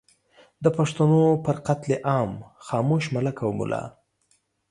د پښتنو پر قتل عام خاموش ملک او ملا